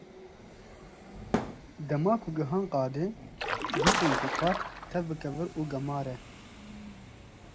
Dema ku gihan qadê, dîtin ku qad tev bi kevir û gemar e.